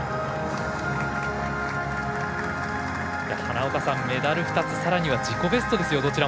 花岡さん、メダル２つさらには自己ベストですよ。